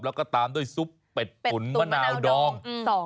แล้วก็ตามด้วยซุปเป็ดผลมะนาวดอง